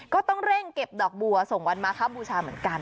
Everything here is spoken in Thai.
ก็ต้องเร่งเก็บดอกบัวส่งวันมาครับบูชาเหมือนกัน